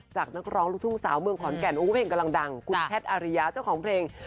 นักร้องลูกทุ่งสาวเมืองขอนแก่นเพลงกำลังดังคุณแพทย์อาริยาเจ้าของเพลง